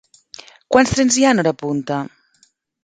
Quants trens hi ha en hora punta?